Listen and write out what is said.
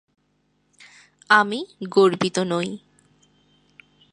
আমি গর্বিত নই।